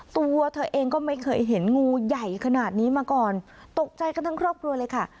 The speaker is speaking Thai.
ตัวเธอเองก็ไม่เคยเห็นงูใหญ่ขนาดนี้มาก่อนตกใจกันทั้งครอบครัวเลยค่ะ